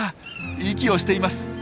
息をしています。